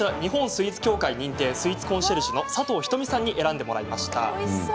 スイーツ協会認定スイーツコンシェルジュの佐藤ひと美さんに選んでもらいました。